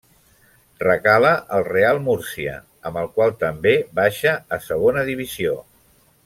Recala al Real Múrcia, amb el qual també baixa a Segona Divisió.